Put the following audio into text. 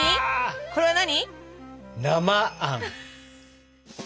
これは何？